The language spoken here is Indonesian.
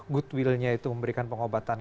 goodwill nya itu memberikan pengobatan